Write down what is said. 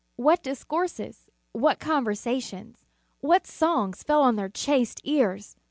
What discourses, what conversations, what songs fell on their chaste ears!